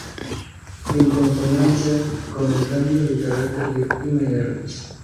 En consonancia con el cambio de carácter de Mr.